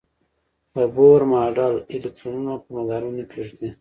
د بور ماډل الکترونونه په مدارونو کې ږدي.